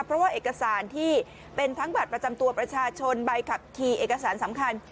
เพราะว่าเอกสารที่เป็นทั้งบัตรประจำตัวประชาชนใบขับขี่เอกสารสำคัญ